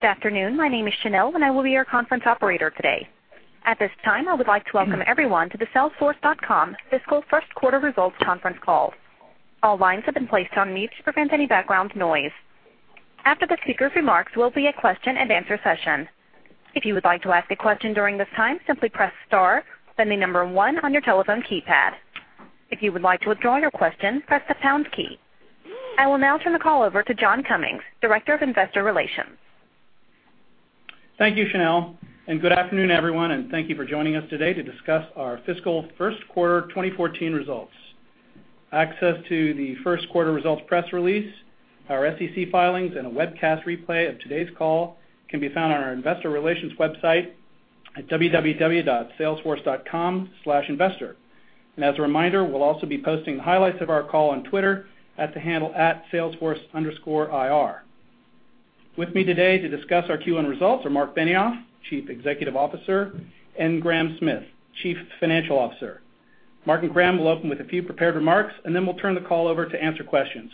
Good afternoon. My name is Chanel, and I will be your conference operator today. At this time, I would like to welcome everyone to the Salesforce.com Fiscal First Quarter Results conference call. All lines have been placed on mute to prevent any background noise. After the speaker's remarks will be a question and answer session. If you would like to ask a question during this time, simply press star, then the number 1 on your telephone keypad. If you would like to withdraw your question, press the pound key. I will now turn the call over to John Cummings, Director of Investor Relations. Thank you, Chanel, and good afternoon, everyone, and thank you for joining us today to discuss our fiscal First Quarter 2014 results. Access to the First Quarter results press release, our SEC filings, and a webcast replay of today's call can be found on our investor relations website at www.salesforce.com/investor. As a reminder, we will also be posting highlights of our call on Twitter at the handle @salesforce_IR. With me today to discuss our Q1 results are Marc Benioff, Chief Executive Officer, and Graham Smith, Chief Financial Officer. Marc and Graham will open with a few prepared remarks, and then we will turn the call over to answer questions.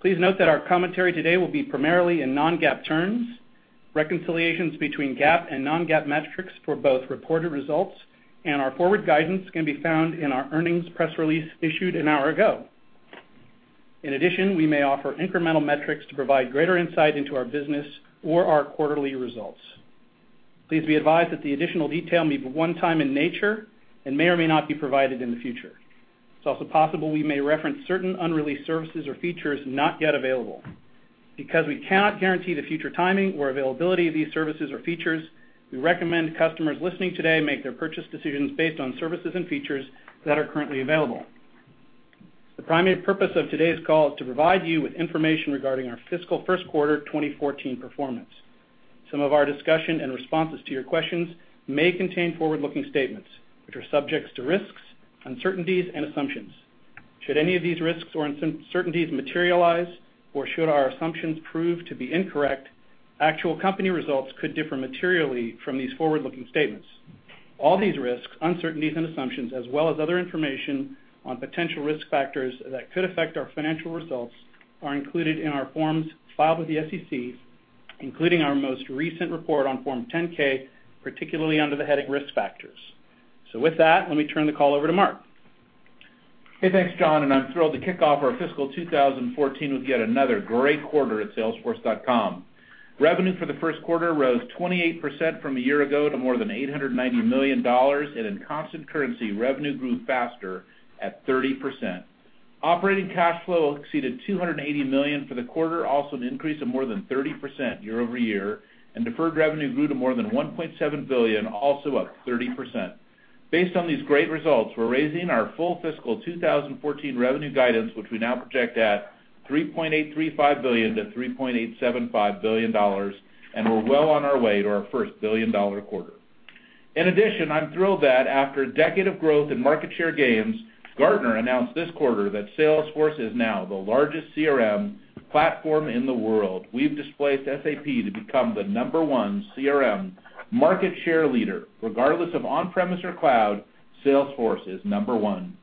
Please note that our commentary today will be primarily in non-GAAP terms. Reconciliations between GAAP and non-GAAP metrics for both reported results and our forward guidance can be found in our earnings press release issued an hour ago. In addition, we may offer incremental metrics to provide greater insight into our business or our quarterly results. Please be advised that the additional detail may be one time in nature and may or may not be provided in the future. It is also possible we may reference certain unreleased services or features not yet available. Because we cannot guarantee the future timing or availability of these services or features, we recommend customers listening today make their purchase decisions based on services and features that are currently available. The primary purpose of today's call is to provide you with information regarding our fiscal First Quarter 2014 performance. Some of our discussion and responses to your questions may contain forward-looking statements, which are subject to risks, uncertainties, and assumptions. Should any of these risks or uncertainties materialize, or should our assumptions prove to be incorrect, actual company results could differ materially from these forward-looking statements. All these risks, uncertainties, and assumptions, as well as other information on potential risk factors that could affect our financial results, are included in our forms filed with the SEC, including our most recent report on Form 10-K, particularly under the heading Risk Factors. With that, let me turn the call over to Marc. Hey, thanks, John, and I'm thrilled to kick off our fiscal 2014 with yet another great quarter at Salesforce.com. Revenue for the first quarter rose 28% from a year ago to more than $890 million, and in constant currency, revenue grew faster at 30%. Operating cash flow exceeded $280 million for the quarter, also an increase of more than 30% year-over-year, and deferred revenue grew to more than $1.7 billion, also up 30%. Based on these great results, we're raising our full fiscal 2014 revenue guidance, which we now project at $3.835 billion-$3.875 billion, and we're well on our way to our first billion-dollar quarter. In addition, I'm thrilled that after a decade of growth in market share gains, Gartner announced this quarter that Salesforce is now the largest CRM platform in the world. We've displaced SAP to become the number one CRM market share leader. Regardless of on-premise or cloud, Salesforce is number one.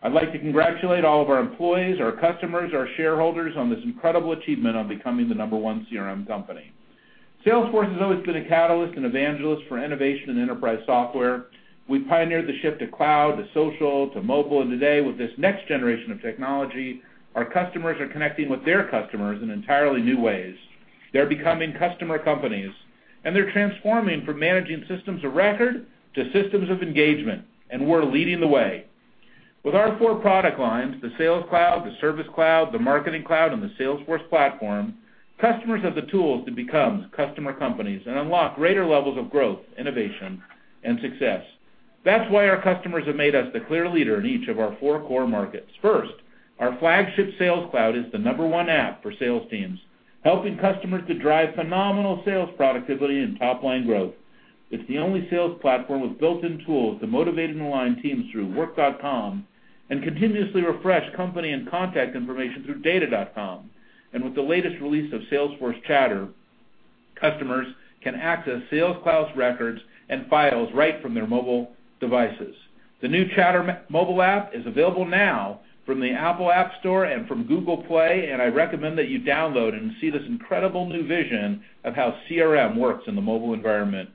I'd like to congratulate all of our employees, our customers, our shareholders on this incredible achievement on becoming the number one CRM company. Salesforce has always been a catalyst and evangelist for innovation in enterprise software. We pioneered the shift to cloud, to social, to mobile, and today, with this next generation of technology, our customers are connecting with their customers in entirely new ways. They're becoming customer companies, and they're transforming from managing systems of record to systems of engagement, and we're leading the way. With our four product lines, the Sales Cloud, the Service Cloud, the Marketing Cloud, and the Salesforce Platform, customers have the tools to become customer companies and unlock greater levels of growth, innovation, and success. That's why our customers have made us the clear leader in each of our four core markets. First, our flagship Sales Cloud is the number one app for sales teams, helping customers to drive phenomenal sales productivity and top-line growth. It's the only sales platform with built-in tools to motivate and align teams through Work.com and continuously refresh company and contact information through Data.com. With the latest release of Salesforce Chatter, customers can access Sales Cloud's records and files right from their mobile devices. The new Chatter mobile app is available now from the Apple App Store and from Google Play. I recommend that you download and see this incredible new vision of how CRM works in the mobile environment.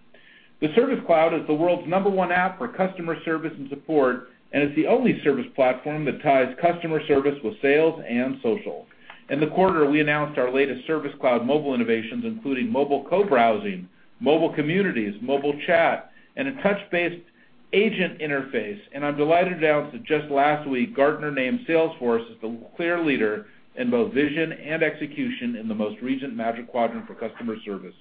The Service Cloud is the world's number one app for customer service and support. It's the only service platform that ties customer service with sales and social. In the quarter, we announced our latest Service Cloud mobile innovations, including mobile co-browsing, mobile communities, mobile chat, and a touch-based agent interface, and I'm delighted to announce that just last week, Gartner named Salesforce as the clear leader in both vision and execution in the most recent Magic Quadrant for customer service.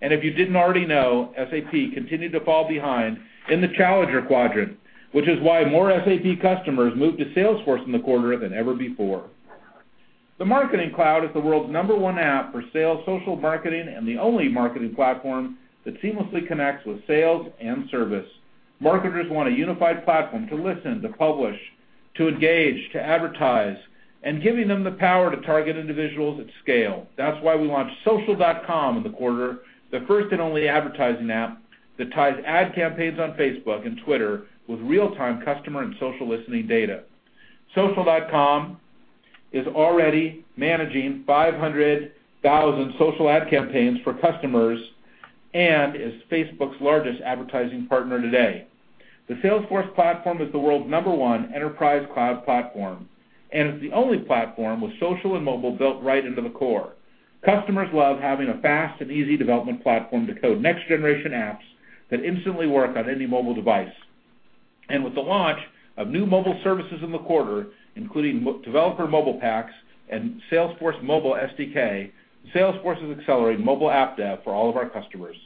If you didn't already know, SAP continued to fall behind in the Challenger Quadrant, which is why more SAP customers moved to Salesforce in the quarter than ever before. The Marketing Cloud is the world's number one app for sales, social marketing, and the only marketing platform that seamlessly connects with sales and service. Marketers want a unified platform to listen, to publish, to engage, to advertise, and giving them the power to target individuals at scale. That's why we launched Social.com in the quarter, the first and only advertising app that ties ad campaigns on Facebook and Twitter with real-time customer and social listening data. Social.com is already managing 500,000 social ad campaigns for customers and is Facebook's largest advertising partner today. The Salesforce Platform is the world's number 1 enterprise cloud platform, and it's the only platform with social and mobile built right into the core. Customers love having a fast and easy development platform to code next-generation apps that instantly work on any mobile device. With the launch of new mobile services in the quarter, including Developer Mobile Packs and Salesforce Mobile SDK, Salesforce is accelerating mobile app dev for all of our customers.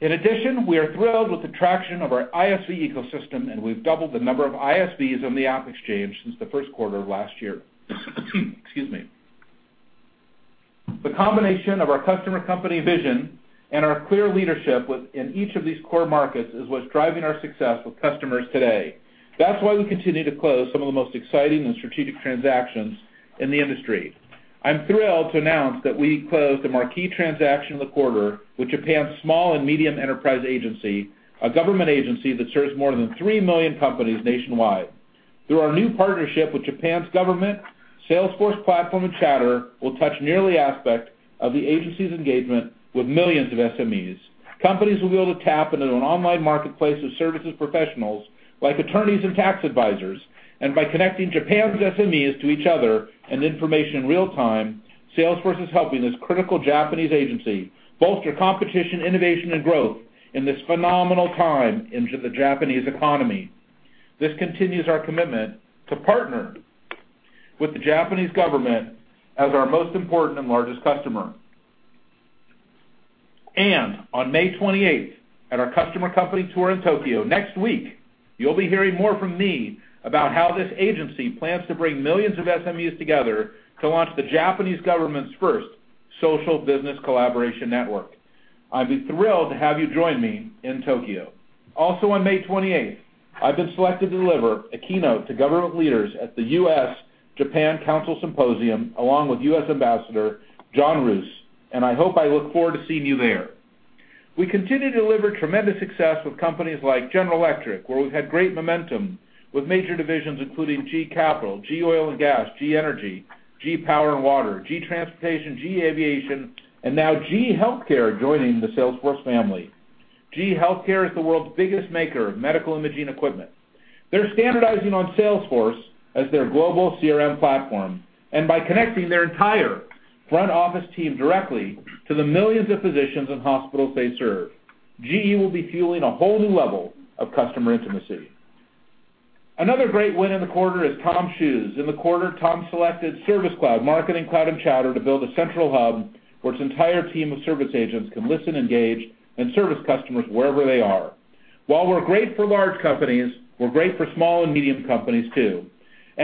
In addition, we are thrilled with the traction of our ISV ecosystem, and we've doubled the number of ISVs on the AppExchange since the first quarter of last year. Excuse me. The combination of our customer company vision and our clear leadership in each of these core markets is what's driving our success with customers today. That's why we continue to close some of the most exciting and strategic transactions in the industry. I'm thrilled to announce that we closed a marquee transaction in the quarter with Japan's Small and Medium Enterprise Agency, a government agency that serves more than 3 million companies nationwide. Through our new partnership with Japan's government, Salesforce Platform and Chatter will touch nearly every aspect of the agency's engagement with millions of SMEs. Companies will be able to tap into an online marketplace of services professionals, like attorneys and tax advisors. By connecting Japan's SMEs to each other and information in real time, Salesforce is helping this critical Japanese agency bolster competition, innovation, and growth in this phenomenal time into the Japanese economy. This continues our commitment to partner with the Japanese government as our most important and largest customer. On May 28th, at our customer company tour in Tokyo, next week, you'll be hearing more from me about how this agency plans to bring millions of SMEs together to launch the Japanese government's first social business collaboration network. I'd be thrilled to have you join me in Tokyo. Also on May 28th, I've been selected to deliver a keynote to government leaders at the U.S.-Japan Council Symposium, along with U.S. Ambassador John V. Roos, and I hope I look forward to seeing you there. We continue to deliver tremendous success with companies like General Electric, where we've had great momentum with major divisions, including GE Capital, GE Oil and Gas, GE Energy, GE Power & Water, GE Transportation, GE Aviation, and now GE HealthCare joining the Salesforce family. GE HealthCare is the world's biggest maker of medical imaging equipment. They're standardizing on Salesforce as their global CRM platform. By connecting their entire front-office team directly to the millions of physicians and hospitals they serve, GE will be fueling a whole new level of customer intimacy. Another great win in the quarter is TOMS Shoes. In the quarter, TOMS selected Service Cloud, Marketing Cloud, and Chatter to build a central hub where its entire team of service agents can listen, engage, and service customers wherever they are. While we're great for large companies, we're great for small and medium companies, too.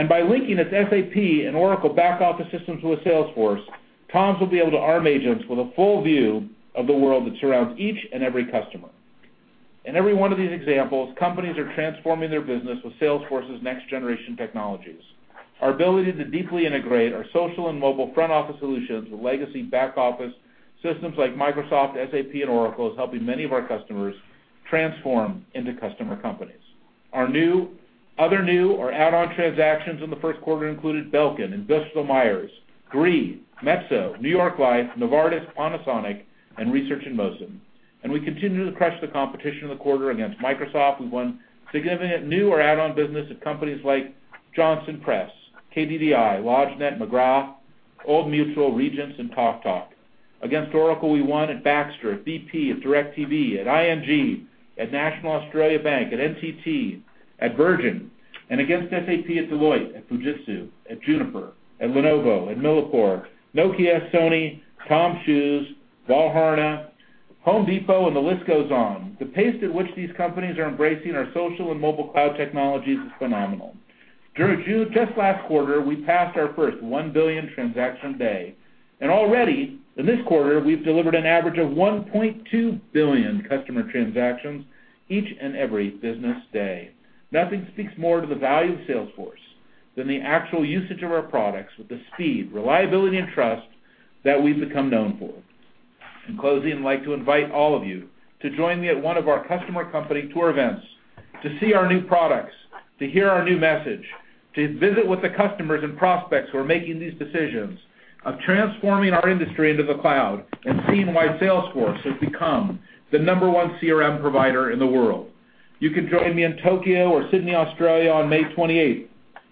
By linking its SAP and Oracle back-office systems with Salesforce, TOMS will be able to arm agents with a full view of the world that surrounds each and every customer. In every one of these examples, companies are transforming their business with Salesforce's next-generation technologies. Our ability to deeply integrate our social and mobile front-office solutions with legacy back-office systems like Microsoft, SAP, and Oracle is helping many of our customers transform into customer companies. Other new or add-on transactions in the first quarter included Belkin, Invesco, Gree, Metso, New York Life, Novartis, Panasonic, and Research in Motion. We continue to crush the competition in the quarter against Microsoft. We won significant new or add-on business at companies like Johnston Press, KBDI, LodgeNet, McGraw, Old Mutual, Regence, and TalkTalk. Against Oracle, we won at Baxter, at BP, at DirecTV, at ING, at National Australia Bank, at NTT, at Virgin. Against SAP at Deloitte, at Fujitsu, at Juniper, at Lenovo, at Millipore, Nokia, Sony, TOMS, Valhalla, Home Depot, and the list goes on. The pace at which these companies are embracing our social and mobile cloud technologies is phenomenal. Just last quarter, we passed our first 1 billion transaction day, and already in this quarter, we've delivered an average of 1.2 billion customer transactions each and every business day. Nothing speaks more to the value of Salesforce than the actual usage of our products with the speed, reliability, and trust that we've become known for. In closing, I'd like to invite all of you to join me at one of our customer company tour events to see our new products, to hear our new message, to visit with the customers and prospects who are making these decisions of transforming our industry into the cloud and seeing why Salesforce has become the number 1 CRM provider in the world. You can join me in Tokyo or Sydney, Australia on May 28th,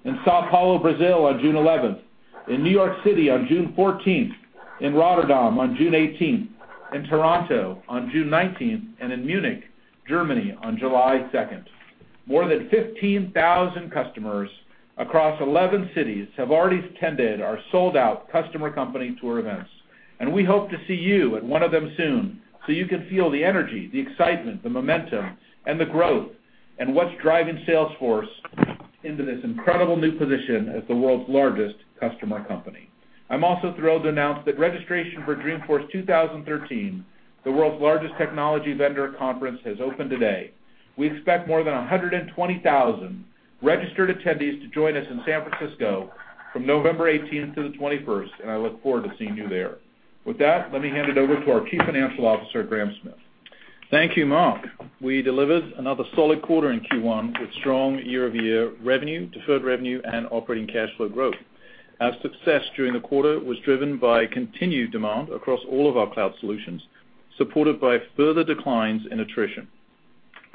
in São Paulo, Brazil on June 11th, in New York City on June 14th, in Rotterdam on June 18th, in Toronto on June 19th, and in Munich, Germany on July 2nd. More than 15,000 customers across 11 cities have already attended our sold-out customer company tour events, and we hope to see you at one of them soon so you can feel the energy, the excitement, the momentum, and the growth and what's driving Salesforce into this incredible new position as the world's largest customer company. I'm also thrilled to announce that registration for Dreamforce 2013, the world's largest technology vendor conference, has opened today. We expect more than 120,000 registered attendees to join us in San Francisco from November 18th to the 21st, and I look forward to seeing you there. With that, let me hand it over to our Chief Financial Officer, Graham Smith. Thank you, Marc. We delivered another solid quarter in Q1 with strong year-over-year revenue, deferred revenue, and operating cash flow growth. Our success during the quarter was driven by continued demand across all of our cloud solutions, supported by further declines in attrition.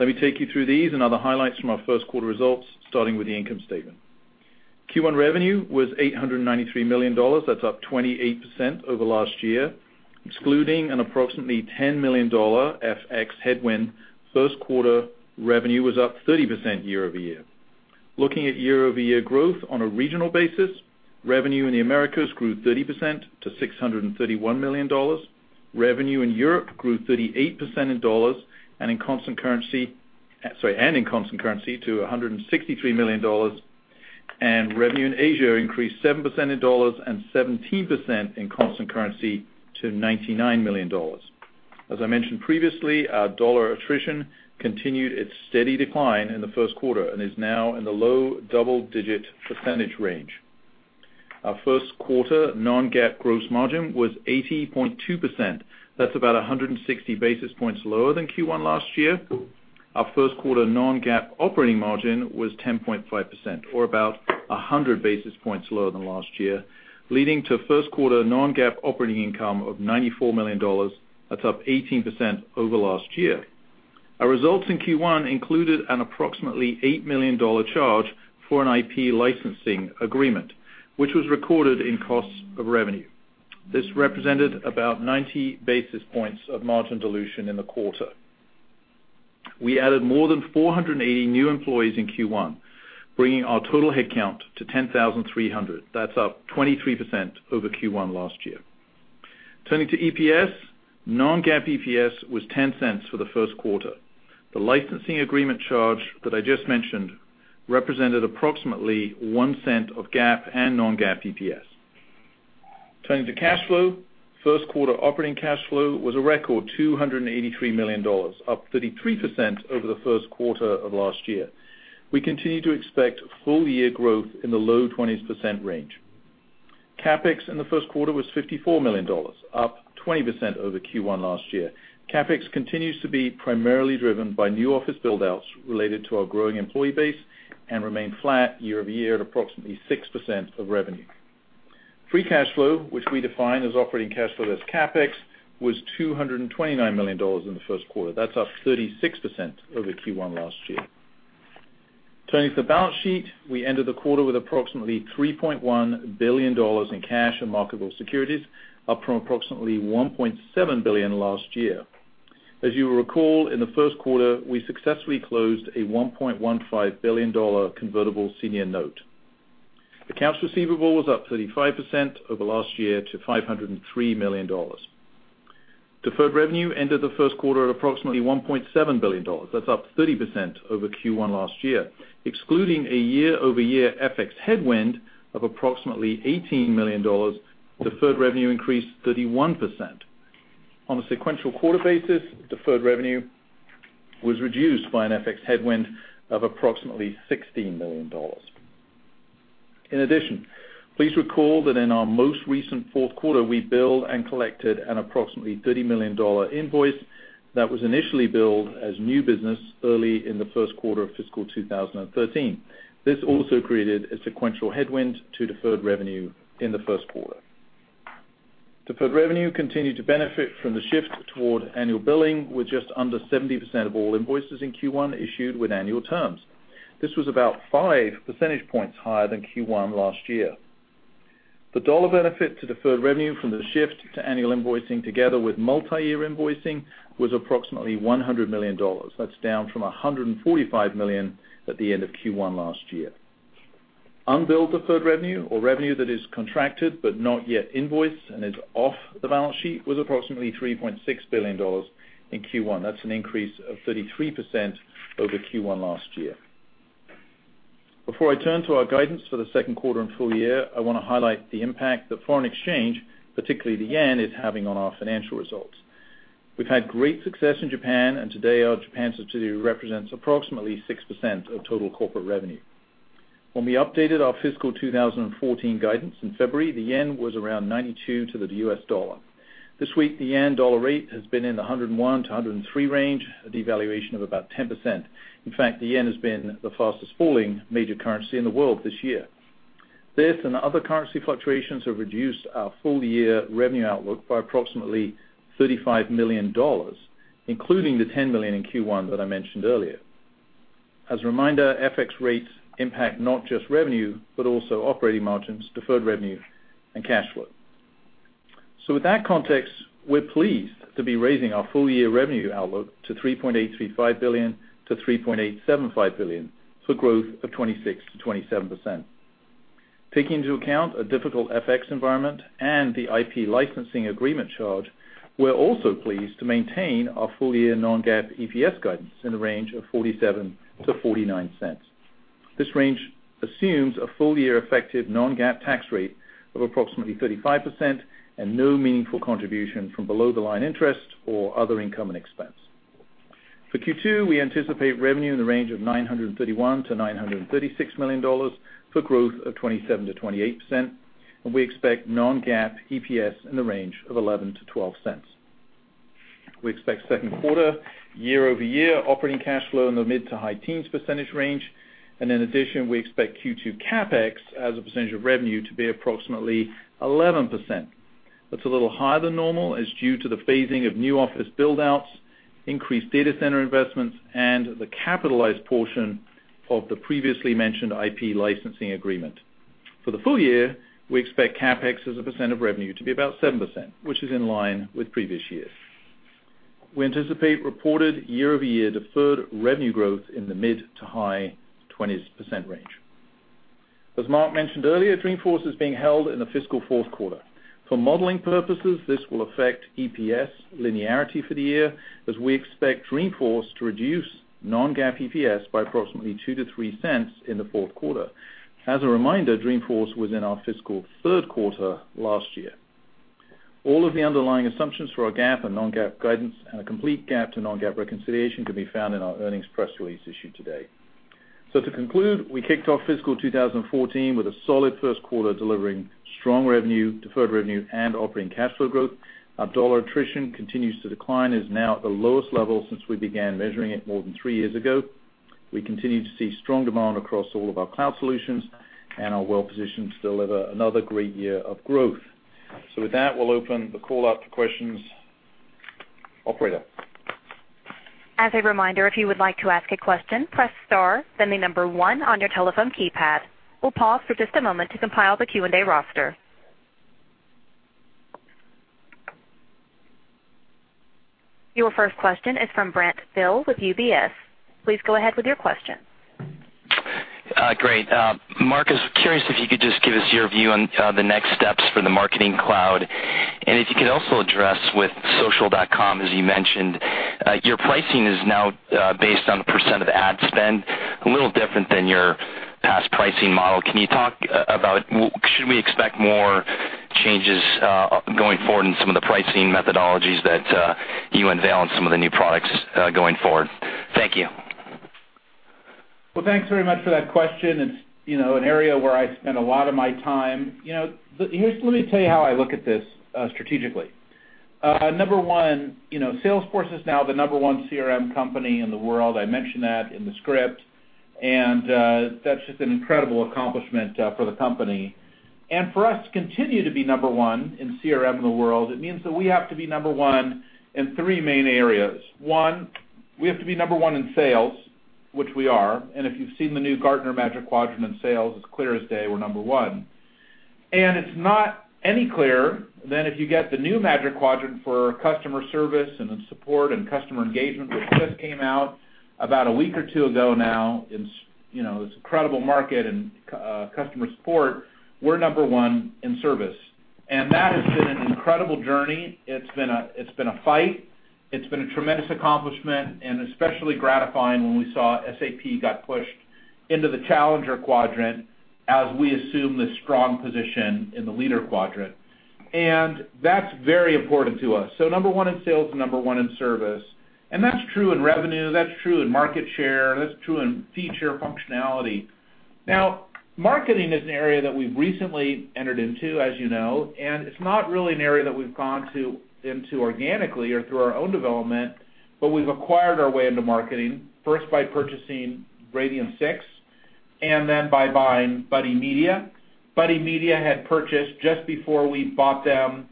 Let me take you through these and other highlights from our first quarter results, starting with the income statement. Q1 revenue was $893 million. That's up 28% over last year. Excluding an approximately $10 million FX headwind, first quarter revenue was up 30% year-over-year. Looking at year-over-year growth on a regional basis, revenue in the Americas grew 30% to $631 million. Revenue in Europe grew 38% in $ and in constant currency to $163 million. Revenue in Asia increased 7% in $ and 17% in constant currency to $99 million. As I mentioned previously, our dollar attrition continued its steady decline in the first quarter and is now in the low double-digit percentage range. Our first quarter non-GAAP gross margin was 80.2%. That's about 160 basis points lower than Q1 last year. Our first quarter non-GAAP operating margin was 10.5%, or about 100 basis points lower than last year, leading to first quarter non-GAAP operating income of $94 million. That's up 18% over last year. Our results in Q1 included an approximately $8 million charge for an IP licensing agreement, which was recorded in costs of revenue. This represented about 90 basis points of margin dilution in the quarter. We added more than 480 new employees in Q1, bringing our total headcount to 10,300. That's up 23% over Q1 last year. Turning to EPS, non-GAAP EPS was $0.10 for the first quarter. The licensing agreement charge that I just mentioned represented approximately $0.01 of GAAP and non-GAAP EPS. Turning to cash flow, first quarter operating cash flow was a record $283 million, up 33% over the first quarter of last year. We continue to expect full-year growth in the low 20% range. CapEx in the first quarter was $54 million, up 20% over Q1 last year. CapEx continues to be primarily driven by new office build-outs related to our growing employee base and remain flat year-over-year at approximately 6% of revenue. Free cash flow, which we define as operating cash flow less CapEx, was $229 million in the first quarter. That's up 36% over Q1 last year. Turning to the balance sheet, we ended the quarter with approximately $3.1 billion in cash and marketable securities, up from approximately $1.7 billion last year. As you will recall, in the first quarter, we successfully closed a $1.15 billion convertible senior note. Accounts receivable was up 35% over last year to $503 million. Deferred revenue ended the first quarter at approximately $1.7 billion. That's up 30% over Q1 last year. Excluding a year-over-year FX headwind of approximately $18 million, deferred revenue increased 31%. On a sequential quarter basis, deferred revenue was reduced by an FX headwind of approximately $16 million. In addition, please recall that in our most recent fourth quarter, we billed and collected an approximately $30 million invoice that was initially billed as new business early in the first quarter of fiscal 2013. This also created a sequential headwind to deferred revenue in the first quarter. Deferred revenue continued to benefit from the shift toward annual billing, with just under 70% of all invoices in Q1 issued with annual terms. This was about five percentage points higher than Q1 last year. The dollar benefit to deferred revenue from the shift to annual invoicing together with multi-year invoicing was approximately $100 million. That's down from $145 million at the end of Q1 last year. Unbilled deferred revenue or revenue that is contracted but not yet invoiced and is off the balance sheet was approximately $3.6 billion in Q1. That's an increase of 33% over Q1 last year. Before I turn to our guidance for the second quarter and full year, I want to highlight the impact that foreign exchange, particularly the yen, is having on our financial results. We've had great success in Japan, and today our Japan subsidiary represents approximately 6% of total corporate revenue. When we updated our fiscal 2014 guidance in February, the yen was around 92 to the US dollar. This week, the yen-dollar rate has been in the 101 to 103 range, a devaluation of about 10%. In fact, the yen has been the fastest falling major currency in the world this year. This and other currency fluctuations have reduced our full-year revenue outlook by approximately $35 million, including the $10 million in Q1 that I mentioned earlier. As a reminder, FX rates impact not just revenue, but also operating margins, deferred revenue, and cash flow. With that context, we're pleased to be raising our full-year revenue outlook to $3.835 billion-$3.875 billion, so growth of 26%-27%. Taking into account a difficult FX environment and the IP licensing agreement charge, we're also pleased to maintain our full-year non-GAAP EPS guidance in the range of $0.47-$0.49. This range assumes a full-year effective non-GAAP tax rate of approximately 35% and no meaningful contribution from below-the-line interest or other income and expense. For Q2, we anticipate revenue in the range of $931 million-$936 million, for growth of 27%-28%, and we expect non-GAAP EPS in the range of $0.11-$0.12. We expect second quarter year-over-year operating cash flow in the mid to high teens percentage range, and in addition, we expect Q2 CapEx as a % of revenue to be approximately 11%. That's a little higher than normal, as due to the phasing of new office build-outs, increased data center investments, and the capitalized portion of the previously mentioned IP licensing agreement. For the full year, we expect CapEx as a % of revenue to be about 7%, which is in line with previous years. We anticipate reported year-over-year deferred revenue growth in the mid to high 20s % range. As Mark mentioned earlier, Dreamforce is being held in the fiscal fourth quarter. For modeling purposes, this will affect EPS linearity for the year, as we expect Dreamforce to reduce non-GAAP EPS by approximately $0.02-$0.03 in the fourth quarter. As a reminder, Dreamforce was in our fiscal third quarter last year. All of the underlying assumptions for our GAAP and non-GAAP guidance and a complete GAAP to non-GAAP reconciliation can be found in our earnings press release issued today. To conclude, we kicked off fiscal 2014 with a solid first quarter, delivering strong revenue, deferred revenue, and operating cash flow growth. Our dollar attrition continues to decline, and is now at the lowest level since we began measuring it more than three years ago. We continue to see strong demand across all of our cloud solutions and are well-positioned to deliver another great year of growth. With that, we'll open the call up to questions. Operator? As a reminder, if you would like to ask a question, press star, then the number one on your telephone keypad. We'll pause for just a moment to compile the Q&A roster. Your first question is from Brent Thill with UBS. Please go ahead with your question. Great. Mark, I was curious if you could just give us your view on the next steps for the Marketing Cloud, and if you could also address with Social.com, as you mentioned, your pricing is now based on the % of ad spend, a little different than your past pricing model. Should we expect more changes going forward in some of the pricing methodologies that you unveil in some of the new products going forward? Thank you. Thanks very much for that question. It's an area where I spend a lot of my time. Let me tell you how I look at this strategically. Number one, Salesforce is now the number one CRM company in the world. I mentioned that in the script, that's just an incredible accomplishment for the company. For us to continue to be number one in CRM in the world, it means that we have to be number one in three main areas. One, we have to be number one in sales, which we are. If you've seen the new Gartner Magic Quadrant in sales, it's clear as day we're number one. It's not any clearer than if you get the new Magic Quadrant for customer service and support and customer engagement, which just came out about a week or two ago now in this incredible market in customer support. We're number one in service, that has been an incredible journey. It's been a fight. It's been a tremendous accomplishment and especially gratifying when we saw SAP got pushed into the Challenger Quadrant as we assume this strong position in the Leader Quadrant. That's very important to us. Number one in sales and number one in service. That's true in revenue, that's true in market share, that's true in feature functionality. Marketing is an area that we've recently entered into, as you know, it's not really an area that we've gone into organically or through our own development, but we've acquired our way into marketing, first by purchasing Radian6, then by buying Buddy Media. Buddy Media had purchased, just before we bought them,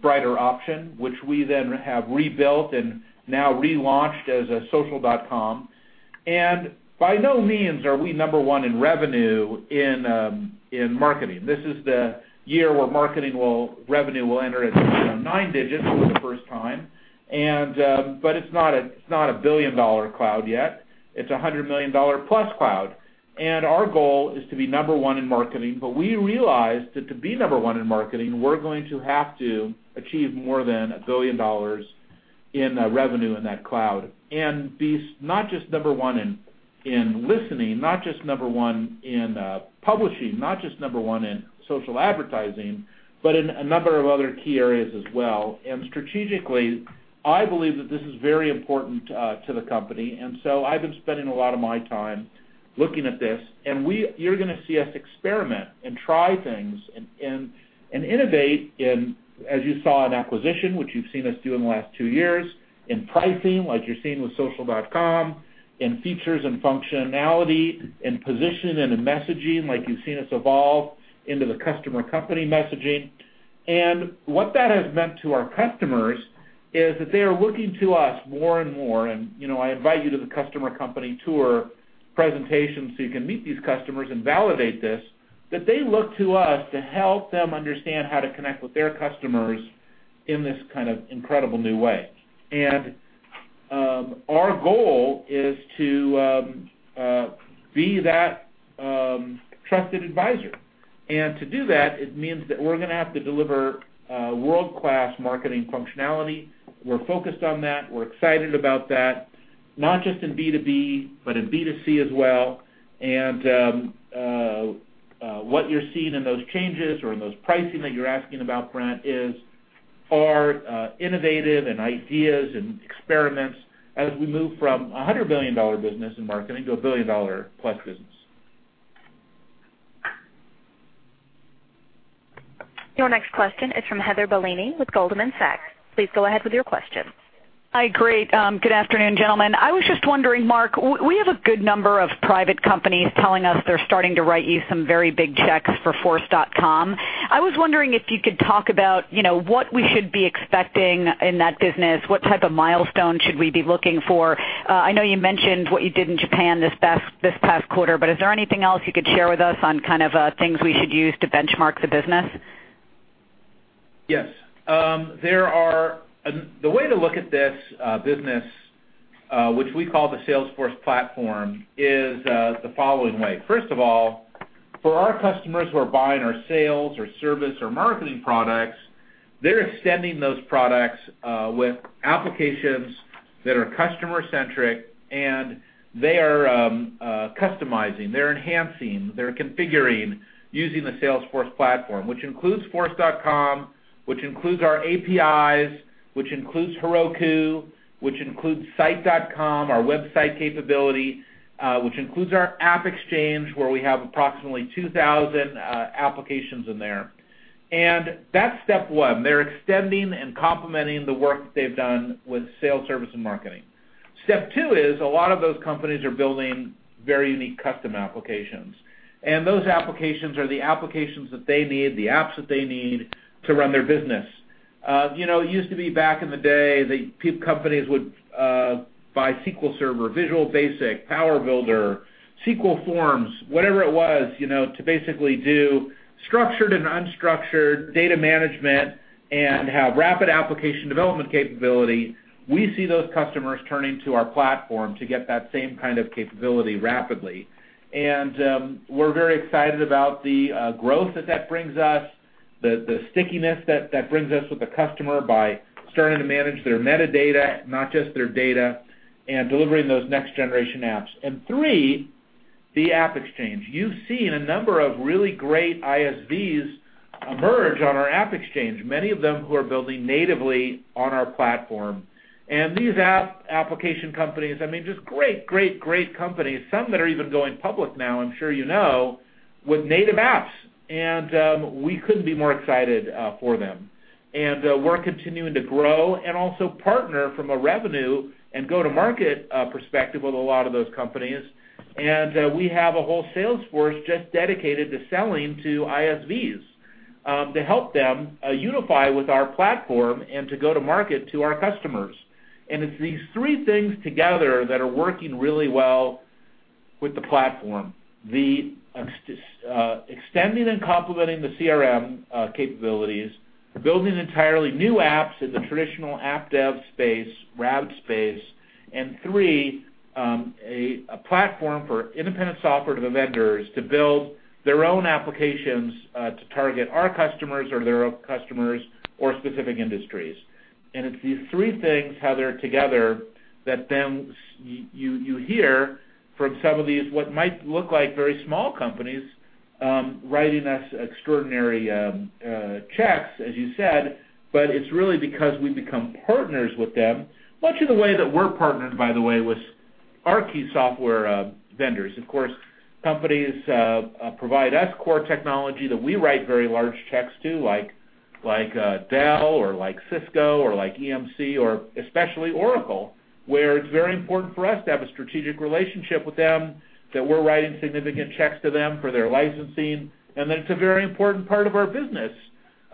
Brighter Option, which we then have rebuilt and now relaunched as Social.com. By no means are we number one in revenue in marketing. This is the year where marketing revenue will enter into nine digits for the first time. It's not a billion-dollar cloud yet. It's a $100-million-plus cloud, our goal is to be number one in marketing. We realized that to be number one in marketing, we're going to have to achieve more than $1 billion in revenue in that cloud, be not just number one in listening, not just number one in publishing, not just number one in social advertising, but in a number of other key areas as well. Strategically, I believe that this is very important to the company, I've been spending a lot of my time looking at this. You're going to see us experiment and try things and innovate in, as you saw, in acquisition, which you've seen us do in the last two years, in pricing, like you're seeing with Social.com, in features and functionality, in position and in messaging, like you've seen us evolve into the customer company messaging. What that has meant to our customers is that they are looking to us more and more, I invite you to the customer company tour presentation so you can meet these customers and validate this, that they look to us to help them understand how to connect with their customers in this kind of incredible new way. Our goal is to be that trusted advisor. To do that, it means that we're going to have to deliver world-class marketing functionality. We're focused on that. We're excited about that, not just in B2B, but in B2C as well. What you're seeing in those changes or in those pricing that you're asking about, Brent, are innovative ideas and experiments as we move from a $100 million business in marketing to a $1 billion plus business. Your next question is from Heather Bellini with Goldman Sachs. Please go ahead with your question. Hi. Great. Good afternoon, gentlemen. I was just wondering, Marc, we have a good number of private companies telling us they're starting to write you some very big checks for Force.com. I was wondering if you could talk about what we should be expecting in that business, what type of milestones should we be looking for? I know you mentioned what you did in Japan this past quarter, but is there anything else you could share with us on kind of things we should use to benchmark the business? Yes. The way to look at this business, which we call the Salesforce Platform, is the following way. First of all, for our customers who are buying our sales or service or marketing products, they're extending those products with applications that are customer-centric, and they are customizing, they're enhancing, they're configuring using the Salesforce Platform, which includes Force.com, which includes our APIs, which includes Heroku, which includes Site.com, our website capability, which includes our AppExchange, where we have approximately 2,000 applications in there. That's step one. They're extending and complementing the work that they've done with sales, service, and marketing. Step two is, a lot of those companies are building very unique custom applications. Those applications are the applications that they need, the apps that they need to run their business. It used to be back in the day that companies would buy SQL Server, Visual Basic, PowerBuilder, Oracle Forms, whatever it was, to basically do structured and unstructured data management and have rapid application development capability. We see those customers turning to our platform to get that same kind of capability rapidly. We're very excited about the growth that that brings us, the stickiness that that brings us with the customer by starting to manage their metadata, not just their data, and delivering those next generation apps. Three, the AppExchange. You've seen a number of really great ISVs emerge on our AppExchange, many of them who are building natively on our platform. These application companies, I mean, just great company. Some that are even going public now, I'm sure you know, with native apps. We couldn't be more excited for them. We're continuing to grow and also partner from a revenue and go-to-market perspective with a lot of those companies. We have a whole Salesforce just dedicated to selling to ISVs, to help them unify with our platform and to go to market to our customers. It's these three things together that are working really well with the platform. The extending and complementing the CRM capabilities, building entirely new apps in the traditional app dev space, RAD space, three, a platform for independent software vendors to build their own applications to target our customers or their own customers or specific industries. It's these three things, Heather, together that then you hear from some of these, what might look like very small companies, writing us extraordinary checks, as you said, but it's really because we've become partners with them, much in the way that we're partnered, by the way, with our key software vendors. Of course, companies provide us core technology that we write very large checks to, like Dell or like Cisco or like EMC or especially Oracle, where it's very important for us to have a strategic relationship with them, that we're writing significant checks to them for their licensing. That it's a very important part of our business.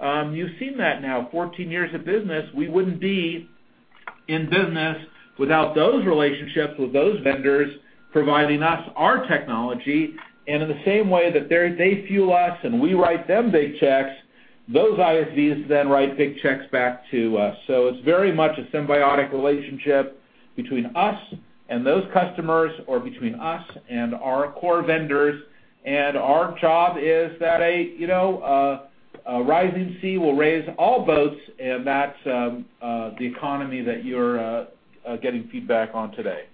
You've seen that now, 14 years of business, we wouldn't be in business without those relationships with those vendors providing us our technology. In the same way that they fuel us and we write them big checks, those ISVs then write big checks back to us. It's very much a symbiotic relationship between us and those customers or between us and our core vendors. Our job is that a rising sea will raise all boats, and that's the economy that you're getting feedback on today.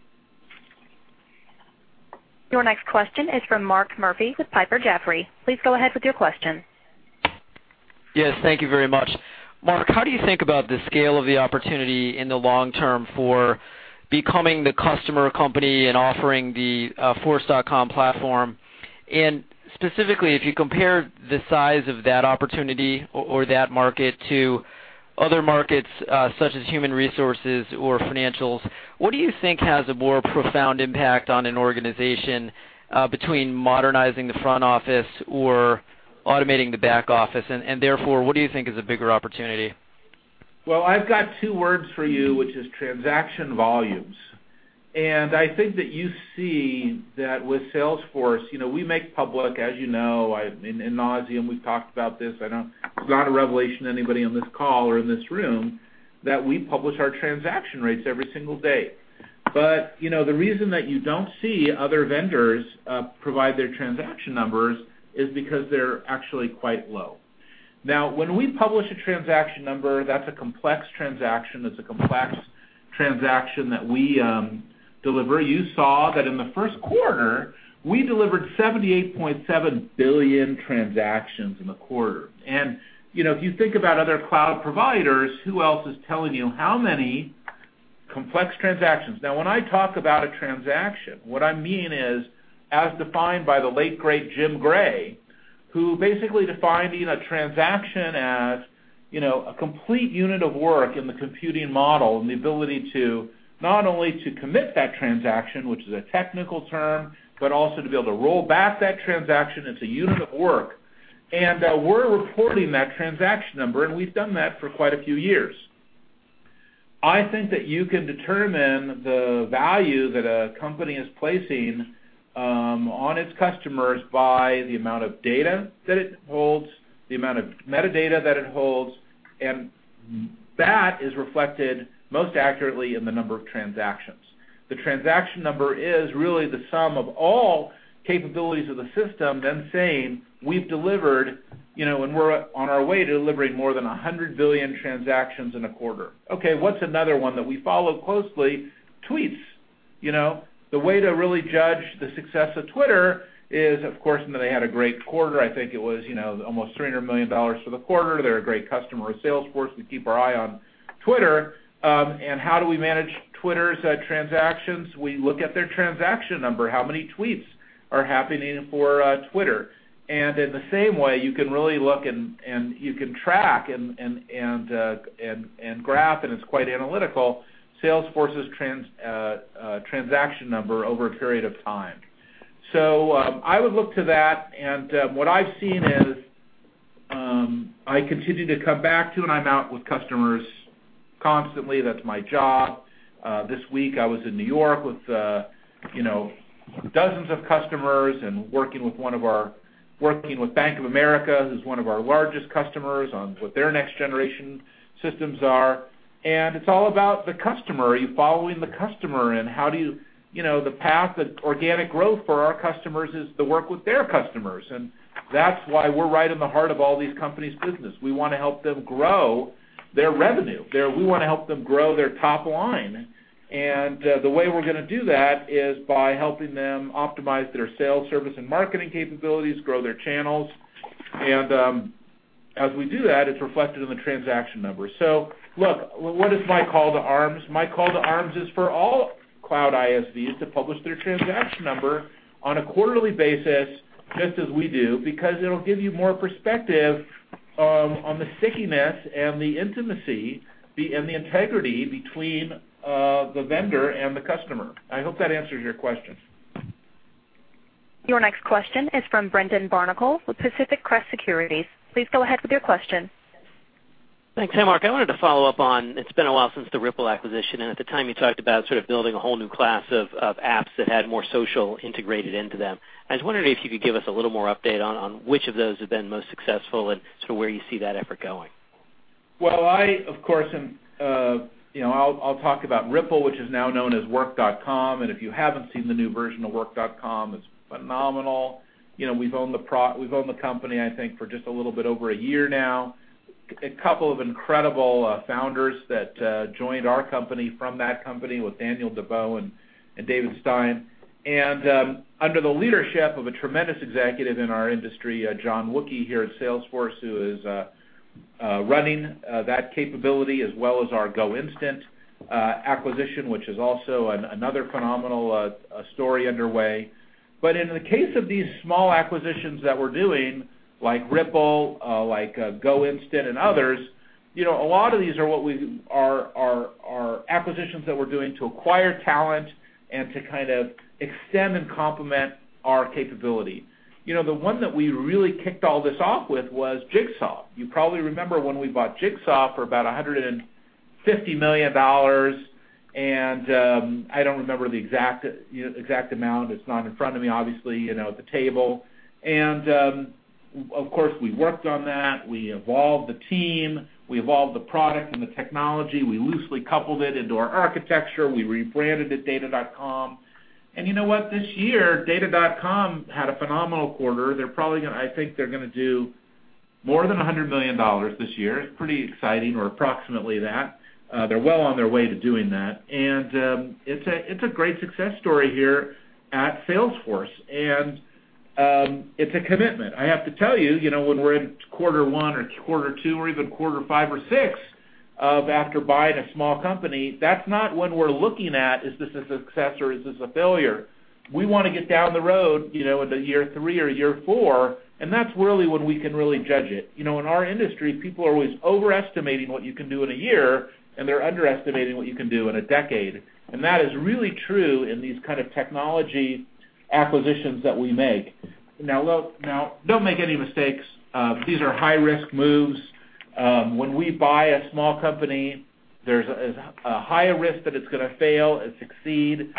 Your next question is from Mark Murphy with Piper Jaffray. Please go ahead with your question. Yes, thank you very much. Marc, how do you think about the scale of the opportunity in the long term for becoming the customer company and offering the Force.com platform? Specifically, if you compare the size of that opportunity or that market to other markets, such as human resources or financials, what do you think has a more profound impact on an organization between modernizing the front office or automating the back office? Therefore, what do you think is a bigger opportunity? Well, I've got two words for you, which is transaction volumes. I think that you see that with Salesforce, we make public, as you know, ad nauseam, we've talked about this. It's not a revelation to anybody on this call or in this room that we publish our transaction rates every single day. The reason that you don't see other vendors provide their transaction numbers is because they're actually quite low. Now, when we publish a transaction number, that's a complex transaction that we deliver. You saw that in the first quarter, we delivered 78.7 billion transactions in the quarter. If you think about other cloud providers, who else is telling you how many complex transactions? Now, when I talk about a transaction, what I mean is as defined by the late great Jim Gray, who basically defined a transaction as a complete unit of work in the computing model, and the ability to not only to commit that transaction, which is a technical term, but also to be able to roll back that transaction. It's a unit of work. We're reporting that transaction number, and we've done that for quite a few years. I think that you can determine the value that a company is placing on its customers by the amount of data that it holds, the amount of metadata that it holds, and that is reflected most accurately in the number of transactions. The transaction number is really the sum of all capabilities of the system, them saying, "We've delivered, and we're on our way to delivering more than 100 billion transactions in a quarter." Okay, what's another one that we follow closely? Tweets. The way to really judge the success of Twitter is, of course, and they had a great quarter. I think it was almost $300 million for the quarter. They're a great customer of Salesforce. We keep our eye on Twitter. How do we manage Twitter's transactions? We look at their transaction number. How many tweets are happening for Twitter? In the same way, you can really look, and you can track and graph, and it's quite analytical, Salesforce's transaction number over a period of time. I would look to that, what I've seen is, I continue to come back to, I'm out with customers constantly. That's my job. This week I was in New York with dozens of customers and working with Bank of America, who's one of our largest customers, on what their next generation systems are. It's all about the customer. Are you following the customer, the path that organic growth for our customers is to work with their customers. That's why we're right in the heart of all these companies' business. We want to help them grow their revenue. We want to help them grow their top line. The way we're going to do that is by helping them optimize their sales service and marketing capabilities, grow their channels. As we do that, it's reflected in the transaction number. Look, what is my call to arms? My call to arms is for all cloud ISVs to publish their transaction number on a quarterly basis, just as we do, because it'll give you more perspective on the stickiness and the intimacy, and the integrity between the vendor and the customer. I hope that answers your question. Your next question is from Brendan Barnicle with Pacific Crest Securities. Please go ahead with your question. Thanks. Hey, Marc. I wanted to follow up on, it's been a while since the Rypple acquisition, and at the time you talked about sort of building a whole new class of apps that had more social integrated into them. I was wondering if you could give us a little more update on which of those have been most successful and sort of where you see that effort going. Well, I'll talk about Rypple, which is now known as Work.com, and if you haven't seen the new version of Work.com, it's phenomenal. We've owned the company, I think, for just a little bit over a year now. A couple of incredible founders that joined our company from that company with Daniel Debow and David Stein. Under the leadership of a tremendous executive in our industry, John Wookey here at Salesforce, who is running that capability as well as our GoInstant acquisition, which is also another phenomenal story underway. In the case of these small acquisitions that we're doing, like Rypple, like GoInstant and others, a lot of these are acquisitions that we're doing to acquire talent and to kind of extend and complement our capability. The one that we really kicked all this off with was Jigsaw. You probably remember when we bought Jigsaw for about $150 million, and I don't remember the exact amount. It's not in front of me, obviously, at the table. Of course, we worked on that. We evolved the team. We evolved the product and the technology. We loosely coupled it into our architecture. We rebranded it Data.com. You know what? This year, Data.com had a phenomenal quarter. I think they're going to do more than $100 million this year. It's pretty exciting, or approximately that. They're well on their way to doing that. It's a great success story here at Salesforce. It's a commitment. I have to tell you, when we're in quarter one or quarter two or even quarter five or six of after buying a small company, that's not when we're looking at, is this a success or is this a failure? We want to get down the road into year three or year four, and that's really when we can really judge it. In our industry, people are always overestimating what you can do in a year, and they're underestimating what you can do in a decade. That is really true in these kind of technology acquisitions that we make. Now, don't make any mistakes. These are high-risk moves. When we buy a small company, there's a higher risk that it's going to fail and succeed.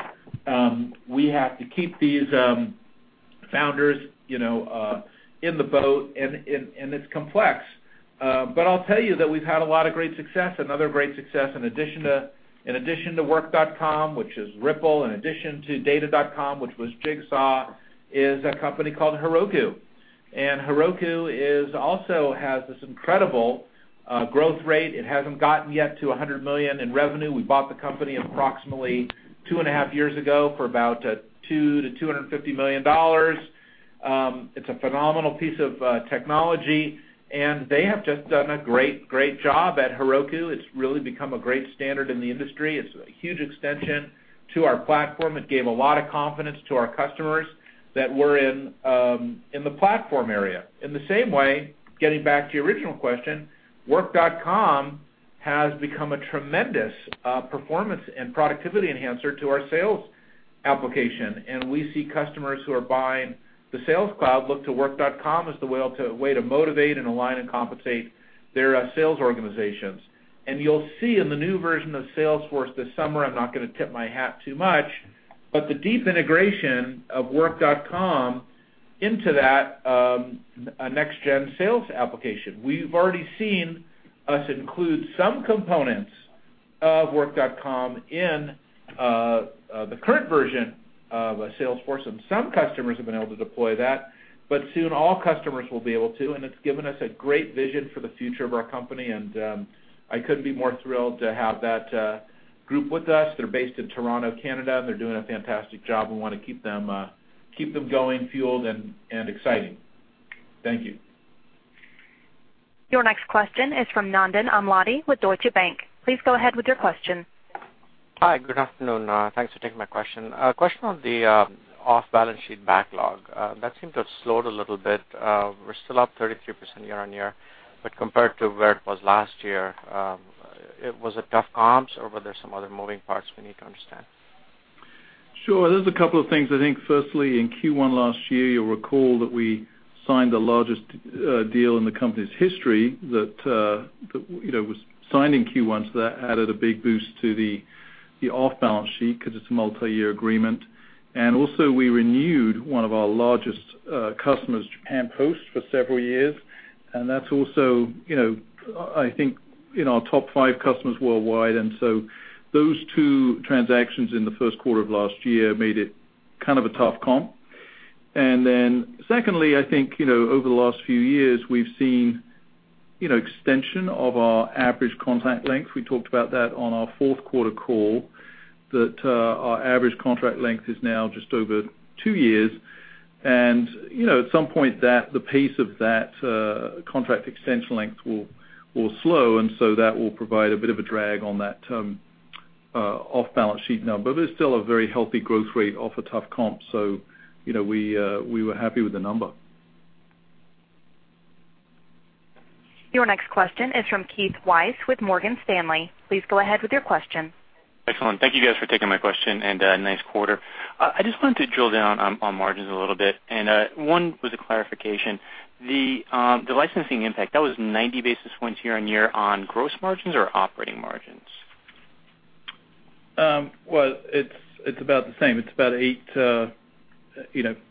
We have to keep these founders in the boat, and it's complex. I'll tell you that we've had a lot of great success. Another great success in addition to Work.com, which is Rypple, in addition to Data.com, which was Jigsaw, is a company called Heroku. Heroku also has this incredible growth rate. It hasn't gotten yet to $100 million in revenue. We bought the company approximately two and a half years ago for about $200 million-$250 million. It's a phenomenal piece of technology, and they have just done a great job at Heroku. It's really become a great standard in the industry. It's a huge extension to our platform. It gave a lot of confidence to our customers that were in the platform area. In the same way, getting back to your original question, Work.com has become a tremendous performance and productivity enhancer to our sales application, and we see customers who are buying the Sales Cloud look to Work.com as the way to motivate and align and compensate their sales organizations. You'll see in the new version of Salesforce this summer, I'm not going to tip my hat too much, but the deep integration of Work.com into that next-gen sales application. We've already seen us include some components of Work.com in the current version of Salesforce. Some customers have been able to deploy that, but soon all customers will be able to. It's given us a great vision for the future of our company, and I couldn't be more thrilled to have that group with us. They're based in Toronto, Canada. They're doing a fantastic job. We want to keep them going, fueled, and exciting. Thank you. Your next question is from Nandan Amladi with Deutsche Bank. Please go ahead with your question. Hi. Good afternoon. Thanks for taking my question. A question on the off-balance sheet backlog. That seemed to have slowed a little bit. We're still up 33% year-over-year. Compared to where it was last year, was it tough comps, or were there some other moving parts we need to understand? Sure. There's a couple of things. Firstly, in Q1 last year, you'll recall that we signed the largest deal in the company's history that was signed in Q1, so that added a big boost to the off-balance sheet because it's a multi-year agreement. Also, we renewed one of our largest customers, Japan Post, for several years, and that's also I think in our top five customers worldwide, those two transactions in the first quarter of last year made it kind of a tough comp. Secondly, I think, over the last few years, we've seen extension of our average contract length. We talked about that on our fourth quarter call, that our average contract length is now just over two years, at some point, the pace of that contract extension length will slow, that will provide a bit of a drag on that off-balance sheet number. It's still a very healthy growth rate off a tough comp, we were happy with the number. Your next question is from Keith Weiss with Morgan Stanley. Please go ahead with your question. Excellent. Thank you guys for taking my question, nice quarter. I just wanted to drill down on margins a little bit, one was a clarification. The licensing impact, that was 90 basis points year-on-year on gross margins or operating margins? Well, it's about the same. It's about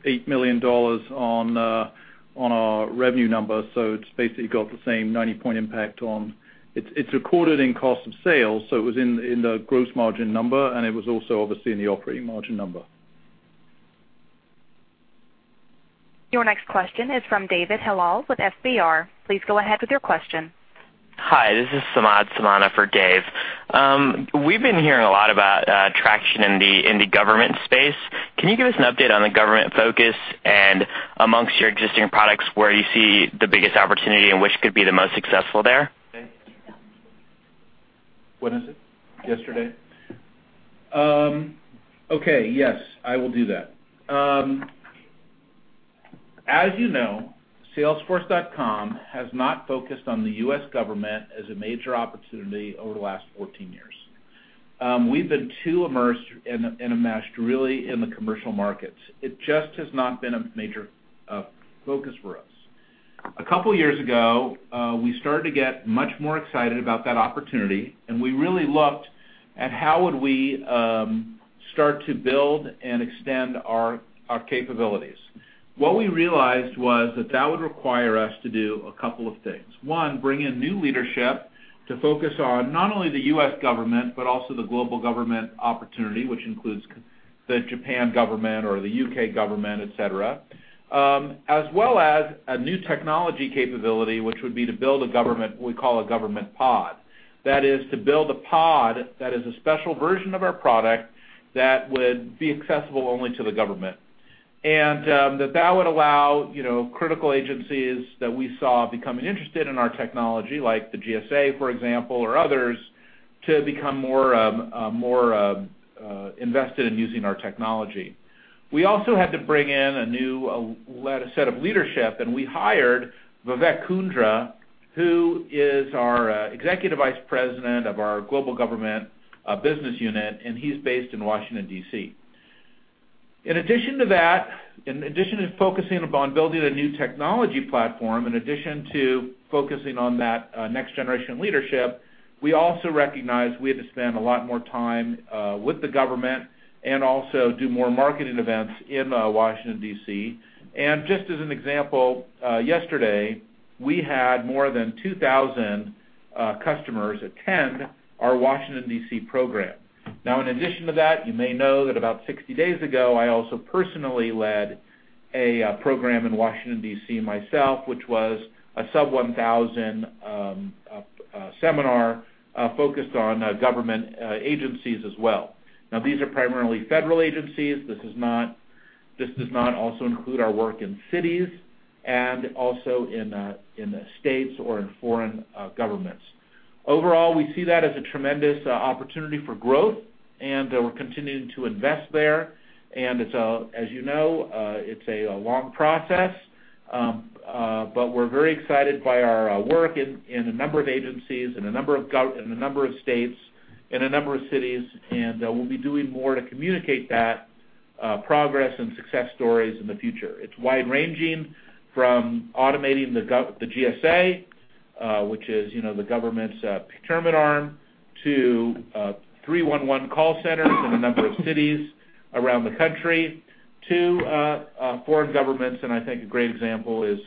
$8 million on our revenue number. It's basically got the same 90-point impact. It's recorded in cost of sales, so it was in the gross margin number, and it was also obviously in the operating margin number. Your next question is from David Hilal with FBR. Please go ahead with your question. Hi, this is Samad Samana for Dave. We've been hearing a lot about traction in the government space. Can you give us an update on the government focus and amongst your existing products, where you see the biggest opportunity and which could be the most successful there? When is it? Yesterday? Okay. Yes, I will do that. As you know, Salesforce.com has not focused on the U.S. government as a major opportunity over the last 14 years. We've been too immersed and enmeshed really in the commercial markets. It just has not been a major focus for us. A couple of years ago, we started to get much more excited about that opportunity, and we really looked at how would we start to build and extend our capabilities. What we realized was that that would require us to do a couple of things. One, bring in new leadership to focus on not only the U.S. government but also the global government opportunity, which includes the Japan government or the U.K. government, et cetera, as well as a new technology capability, which would be to build a government, we call a government pod. That is to build a pod that is a special version of our product that would be accessible only to the government. That would allow critical agencies that we saw becoming interested in our technology, like the GSA, for example, or others, to become more invested in using our technology. We also had to bring in a new set of leadership, we hired Vivek Kundra, who is our Executive Vice President of our Global Government business unit, he's based in Washington, D.C. In addition to that, in addition to focusing upon building a new technology platform, in addition to focusing on that next generation leadership, we also recognized we had to spend a lot more time with the government and also do more marketing events in Washington, D.C. Just as an example, yesterday we had more than 2,000 customers attend our Washington, D.C. program. In addition to that, you may know that about 60 days ago, I also personally led a program in Washington, D.C., myself, which was a sub-1,000 seminar focused on government agencies as well. These are primarily federal agencies. This does not also include our work in cities and also in the states or in foreign governments. Overall, we see that as a tremendous opportunity for growth, we're continuing to invest there. As you know it's a long process, we're very excited by our work in a number of agencies, in a number of states, in a number of cities, we'll be doing more to communicate that progress and success stories in the future. It's wide-ranging from automating the GSA, which is the government's procurement arm, to 311 call centers in a number of cities around the country to foreign governments. I think a great example is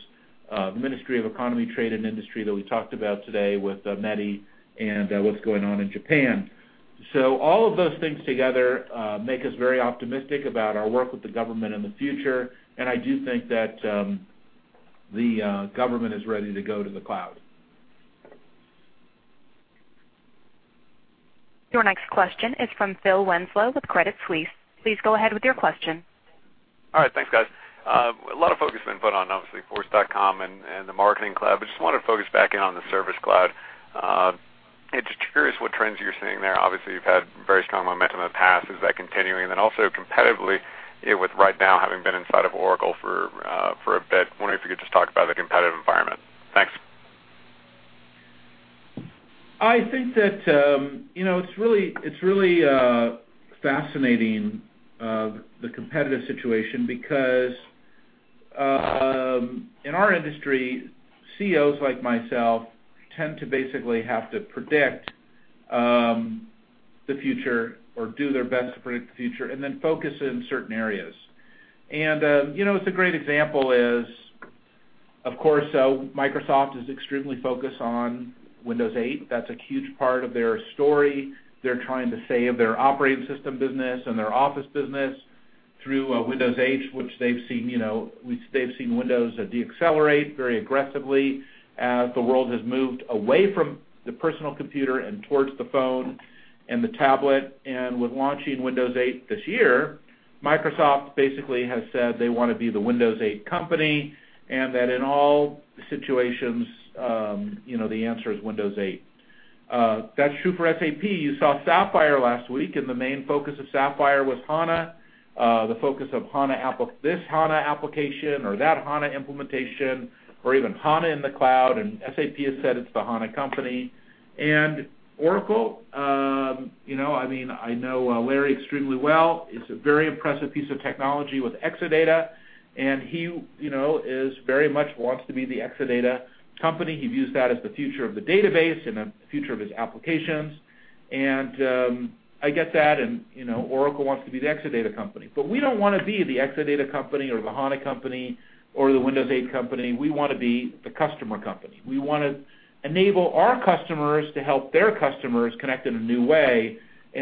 the Ministry of Economy, Trade and Industry that we talked about today with METI and what's going on in Japan. All of those things together make us very optimistic about our work with the government in the future. I do think that the government is ready to go to the cloud. Your next question is from Phil Winslow with Credit Suisse. Please go ahead with your question. All right. Thanks, guys. A lot of focus has been put on, obviously, Force.com and the Marketing Cloud, just wanted to focus back in on the Service Cloud. Just curious what trends you're seeing there. Obviously, you've had very strong momentum in the past. Is that continuing? Also competitively, with RightNow having been inside of Oracle for a bit, wondering if you could just talk about the competitive environment. Thanks. I think that it's really fascinating, the competitive situation, because in our industry, CEOs like myself tend to basically have to predict the future or do their best to predict the future, then focus in certain areas. A great example is, of course, Microsoft is extremely focused on Windows 8. That's a huge part of their story. They're trying to save their operating system business and their Office business through Windows 8, which they've seen Windows deaccelerate very aggressively as the world has moved away from the personal computer and towards the phone and the tablet. With launching Windows 8 this year, Microsoft basically has said they want to be the Windows 8 company, and that in all situations the answer is Windows 8. That's true for SAP. You saw SAP Sapphire last week, the main focus of SAP Sapphire was SAP HANA, the focus of this SAP HANA application or that SAP HANA implementation, or even SAP HANA in the cloud, SAP has said it's the SAP HANA company. Oracle, I know Larry extremely well. It's a very impressive piece of technology with Exadata, he very much wants to be the Exadata company. He views that as the future of the database and the future of his applications. I get that, Oracle wants to be the Exadata company. We don't want to be the Exadata company or the SAP HANA company or the Windows 8 company. We want to be the customer company. We want to enable our customers to help their customers connect in a new way,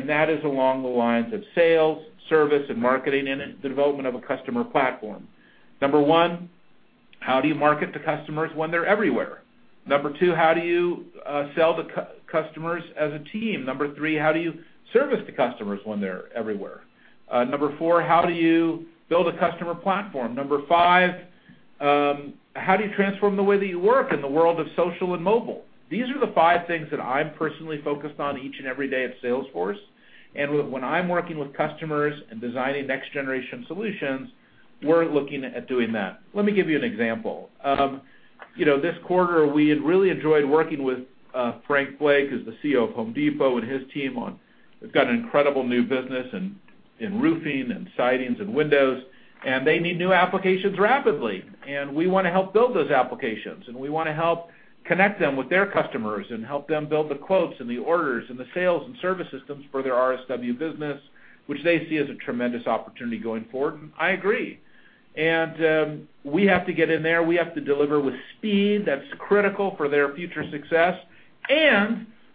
that is along the lines of sales, service, and marketing, and the development of a customer platform. Number one, how do you market to customers when they're everywhere? Number two, how do you sell to customers as a team? Number three, how do you service the customers when they're everywhere? Number four, how do you build a customer platform? Number five, how do you transform the way that you work in the world of social and mobile? These are the five things that I'm personally focused on each and every day at Salesforce. When I'm working with customers and designing next-generation solutions, we're looking at doing that. Let me give you an example. This quarter, we had really enjoyed working with Frank Blake, who's the CEO of The Home Depot. They've got an incredible new business in roofing and sidings and windows, and they need new applications rapidly. We want to help build those applications, we want to help connect them with their customers and help them build the quotes and the orders and the sales and service systems for their RSW business, which they see as a tremendous opportunity going forward. I agree. We have to get in there. We have to deliver with speed. That's critical for their future success.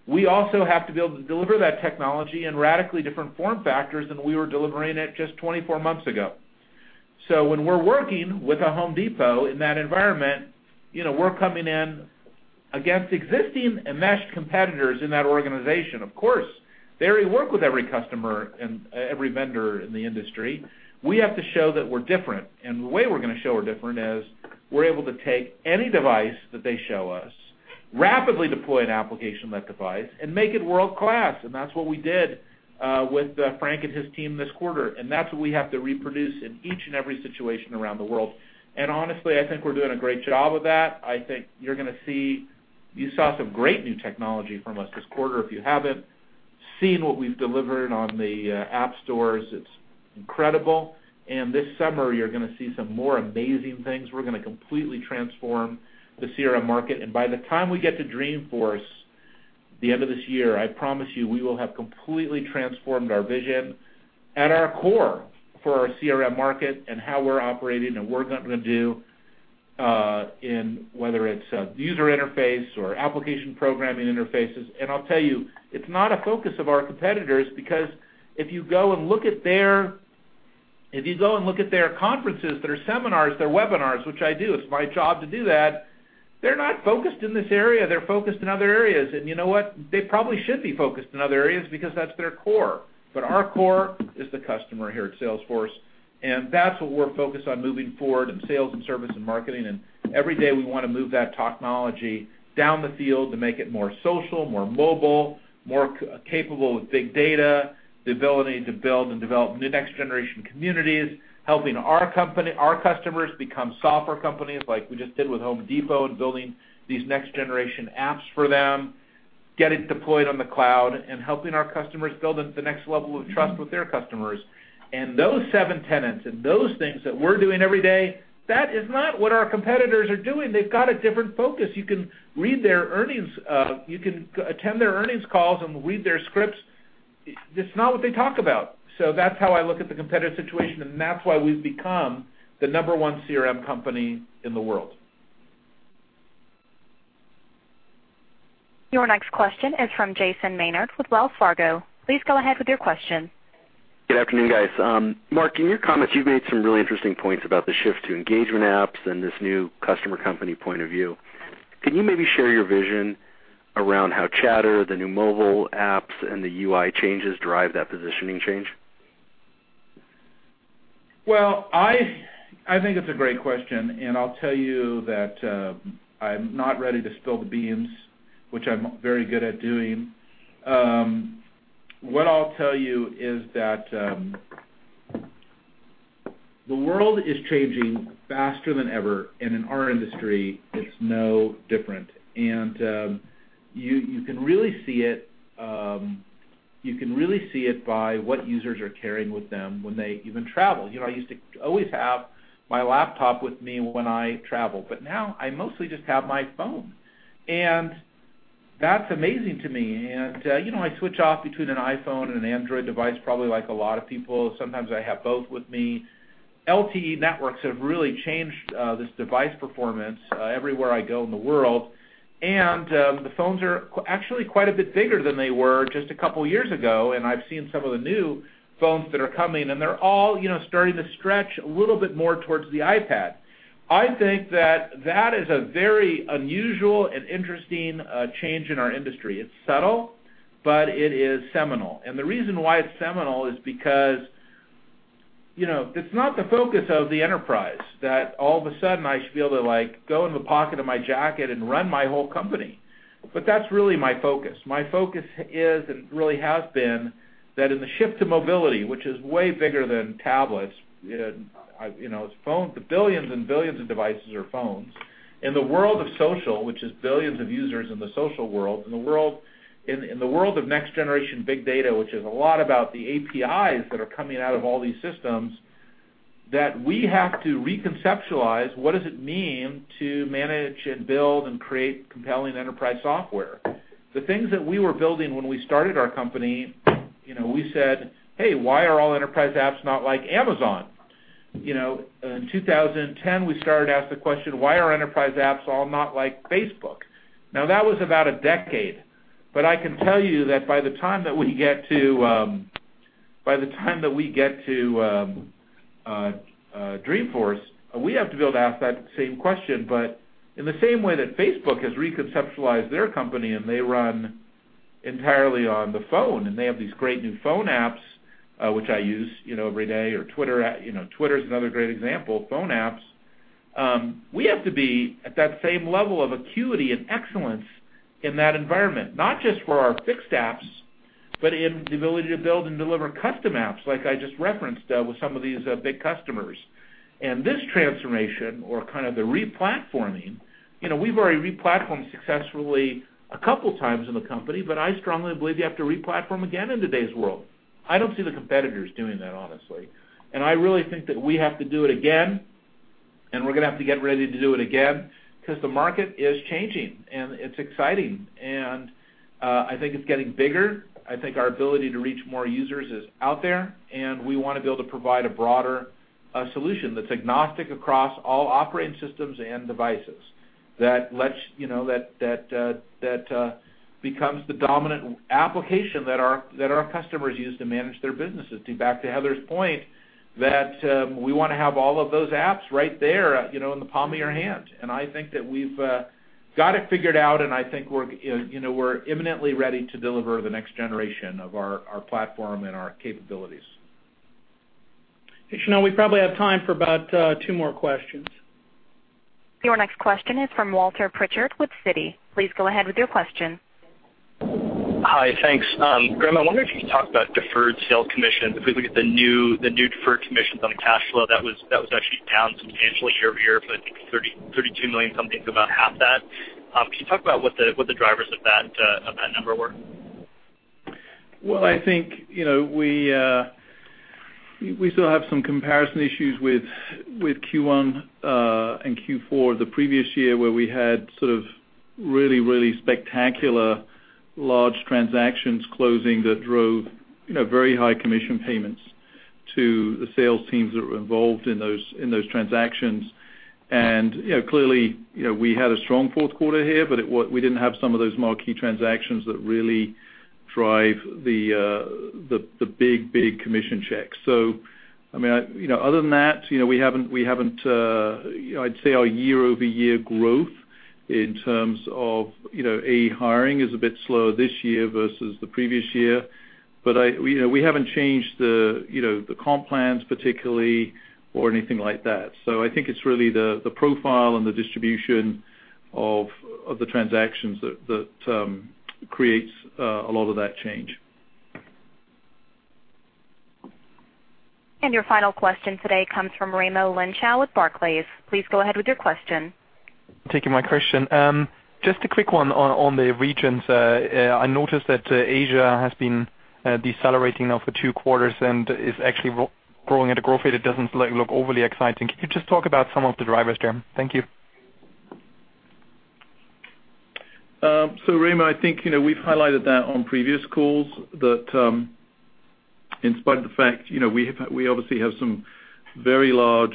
We also have to be able to deliver that technology in radically different form factors than we were delivering it just 24 months ago. When we're working with a Home Depot in that environment, we're coming in against existing enmeshed competitors in that organization. Of course, they already work with every customer and every vendor in the industry. We have to show that we're different. The way we're going to show we're different is we're able to take any device that they show us, rapidly deploy an application on that device, and make it world-class. That's what we did with Frank and his team this quarter. That's what we have to reproduce in each and every situation around the world. Honestly, I think we're doing a great job of that. You saw some great new technology from us this quarter. If you haven't seen what we've delivered on the App Store, it's incredible. This summer, you're going to see some more amazing things. We're going to completely transform the CRM market. By the time we get to Dreamforce at the end of this year, I promise you we will have completely transformed our vision at our core for our CRM market and how we're operating and what we're going to do in whether it's user interface or application programming interfaces. I'll tell you, it's not a focus of our competitors because if you go and look at their conferences, their seminars, their webinars, which I do, it's my job to do that, they're not focused in this area. They're focused in other areas. You know what? They probably should be focused in other areas because that's their core. Our core is the customer here at Salesforce, and that's what we're focused on moving forward in sales and service and marketing. Every day, we want to move that technology down the field to make it more social, more mobile, more capable with big data, the ability to build and develop new next generation communities, helping our customers become software companies like we just did with Home Depot and building these next generation apps for them, get it deployed on the cloud, and helping our customers build the next level of trust with their customers. Those seven tenets and those things that we're doing every day, that is not what our competitors are doing. They've got a different focus. You can attend their earnings calls and read their scripts. It's not what they talk about. That's how I look at the competitive situation, and that's why we've become the number one CRM company in the world. Your next question is from Jason Maynard with Wells Fargo. Please go ahead with your question. Good afternoon, guys. Marc, in your comments, you've made some really interesting points about the shift to engagement apps and this new customer company point of view. Can you maybe share your vision around how Chatter, the new mobile apps, and the UI changes drive that positioning change? Well, I think it's a great question, and I'll tell you that I'm not ready to spill the beans, which I'm very good at doing. What I'll tell you is that the world is changing faster than ever, and in our industry, it's no different. You can really see it by what users are carrying with them when they even travel. I used to always have my laptop with me when I travel, but now I mostly just have my phone, and that's amazing to me. I switch off between an iPhone and an Android device, probably like a lot of people. Sometimes I have both with me. LTE networks have really changed this device performance everywhere I go in the world, and the phones are actually quite a bit bigger than they were just a couple of years ago, and I've seen some of the new phones that are coming, and they're all starting to stretch a little bit more towards the iPad. I think that that is a very unusual and interesting change in our industry. It's subtle, but it is seminal. The reason why it's seminal is because it's not the focus of the enterprise that all of a sudden I should be able to go in the pocket of my jacket and run my whole company. That's really my focus. My focus is and really has been that in the shift to mobility, which is way bigger than tablets, the billions and billions of devices are phones. In the world of social, which is billions of users in the social world, in the world of next generation big data, which is a lot about the APIs that are coming out of all these systems, that we have to reconceptualize what does it mean to manage and build and create compelling enterprise software. The things that we were building when we started our company, we said, "Hey, why are all enterprise apps not like Amazon?" In 2010, we started to ask the question, why are enterprise apps all not like Facebook? That was about a decade, but I can tell you that by the time that we get to Dreamforce, we have to be able to ask that same question. In the same way that Facebook has reconceptualized their company and they run entirely on the phone and they have these great new phone apps, which I use every day, or Twitter is another great example, phone apps. We have to be at that same level of acuity and excellence in that environment, not just for our fixed apps, but in the ability to build and deliver custom apps, like I just referenced with some of these big customers. This transformation or kind of the re-platforming, we've already re-platformed successfully a couple times in the company, but I strongly believe you have to re-platform again in today's world. I don't see the competitors doing that, honestly. I really think that we have to do it again, and we're going to have to get ready to do it again because the market is changing, and it's exciting. I think it's getting bigger. I think our ability to reach more users is out there, and we want to be able to provide a broader solution that's agnostic across all operating systems and devices, that becomes the dominant application that our customers use to manage their businesses. To back to Heather's point, that we want to have all of those apps right there in the palm of your hand. I think that we've got it figured out, and I think we're imminently ready to deliver the next generation of our platform and our capabilities. Hey, Chanel, we probably have time for about two more questions. Your next question is from Walter Pritchard with Citi. Please go ahead with your question. Hi, thanks. Graham, I wonder if you could talk about deferred sales commission, if we look at the new deferred commissions on cash flow, that was actually down substantially year-over-year, but I think $32 million, something to about half that. Can you talk about what the drivers of that number were? Well, I think we still have some comparison issues with Q1 and Q4 the previous year, where we had sort of really spectacular large transactions closing that drove very high commission payments. To the sales teams that were involved in those transactions. Clearly, we had a strong fourth quarter here, we didn't have some of those marquee transactions that really drive the big commission checks. Other than that, I'd say our year-over-year growth in terms of hiring is a bit slower this year versus the previous year. We haven't changed the comp plans particularly or anything like that. I think it's really the profile and the distribution of the transactions that creates a lot of that change. Your final question today comes from Raimo Lenschow with Barclays. Please go ahead with your question. Thank you for taking my question. Just a quick one on the regions. I noticed that Asia has been decelerating now for two quarters and is actually growing at a growth rate. It doesn't look overly exciting. Can you just talk about some of the drivers there? Thank you. Raimo, I think we've highlighted that on previous calls that in spite of the fact we obviously have some very large,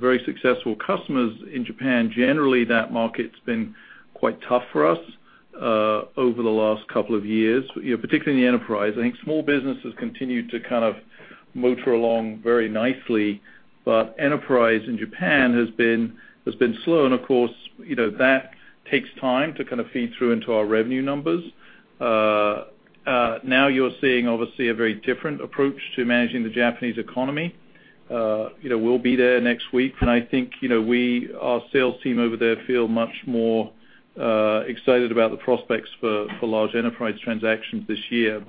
very successful customers in Japan. Generally, that market's been quite tough for us over the last couple of years, particularly in the enterprise. I think small business has continued to kind of motor along very nicely. Enterprise in Japan has been slow, and of course, that takes time to kind of feed through into our revenue numbers. Now you're seeing obviously a very different approach to managing the Japanese economy. We'll be there next week, and I think our sales team over there feel much more excited about the prospects for large enterprise transactions this year.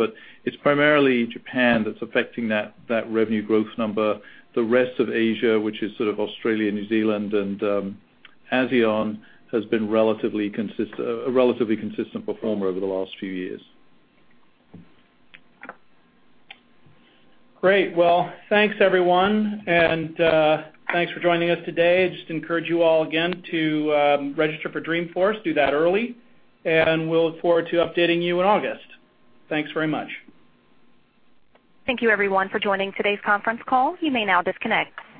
It's primarily Japan that's affecting that revenue growth number. The rest of Asia, which is sort of Australia, New Zealand, and ASEAN, has been a relatively consistent performer over the last few years. Great. Well, thanks everyone, and thanks for joining us today. I just encourage you all again to register for Dreamforce, do that early, and we'll look forward to updating you in August. Thanks very much. Thank you everyone for joining today's conference call. You may now disconnect.